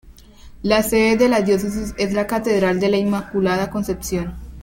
La sede de la Diócesis es la Catedral de la Inmaculada Concepción.